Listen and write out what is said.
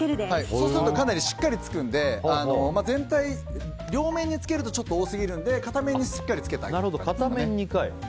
そうするとかなりしっかりつくので両面につけると多すぎるので片面にしっかりつけてあげる感じですね。